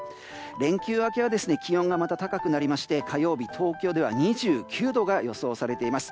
連休明けは気温がまた高くなりまして火曜日、東京では２９度が予想されています。